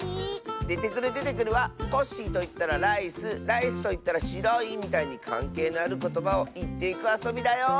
「デテクルデテクル」は「コッシーといったらライスライスといったらしろい」みたいにかんけいのあることばをいっていくあそびだよ！